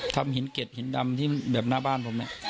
ทำหินเด็ดหินดำที่แบบหน้าบ้านผมเนี่ย